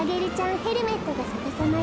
ヘルメットがさかさまよ。